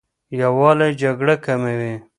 یووالی جګړه کموي.